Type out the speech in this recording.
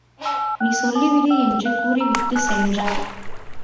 நீ சொல்லிவிடு என்று கூறிவிட்டுச் சென்றான்.